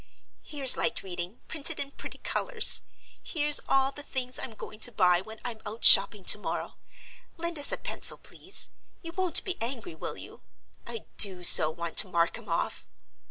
"Here's light reading, printed in pretty colors. Here's all the Things I'm going to buy when I'm out shopping to morrow. Lend us a pencil, please—you won't be angry, will you? I do so want to mark 'em off."